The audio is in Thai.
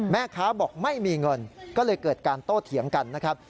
แม่ค้าบอกไม่มีเงินก็เลยเกิดการโต้เถียงกันนะครับ